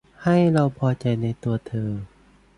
ให้เราพอใจในตัวเธอ